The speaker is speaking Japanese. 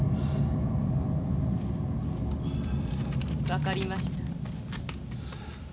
分かりました。